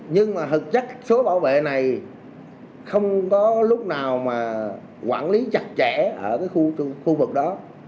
nhưng mà thực chất số bảo vệ này không có lúc nào mà quản lý chặt chẽ ở cái khu vực đó